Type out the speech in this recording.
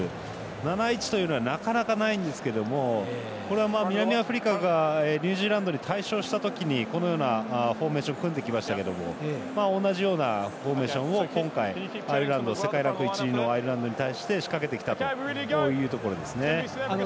７−１というのはなかなか、ないんですけどこれは南アフリカがニュージーランドに大勝した時に、このようなフォーメーションを組んできましたが同じようなフォーメーションを今回、世界ランク１位のアイルランドに対して仕掛けてきたというところですね。